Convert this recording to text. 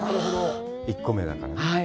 １個目だから。